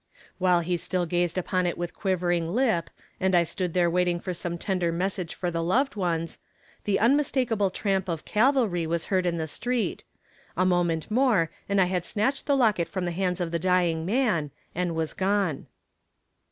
While he still gazed upon it with quivering lip, and I stood there waiting for some tender message for the loved ones, the unmistakable tramp of cavalry was heard in the street a moment more, and I had snatched the locket from the hands of the dying man and was gone.